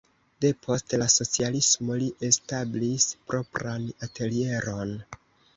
Depost la socialismo li establis propran atelieron.